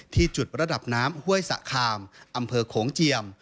ที่จุดระดับน้ำห้วยสะคามอำเภอโขงเจียม